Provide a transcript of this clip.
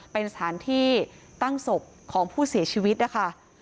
เป็นสถานที่ตั้งศพของผู้เสียชีวิตนะคะ